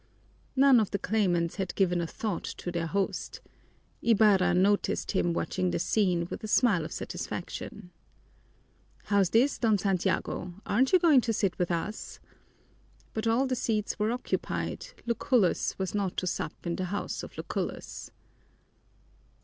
None of the claimants had given a thought to their host. Ibarra noticed him watching the scene with a smile of satisfaction. "How's this, Don Santiago, aren't you going to sit down with us?" But all the seats were occupied; Lucullus was not to sup in the house of Lucullus.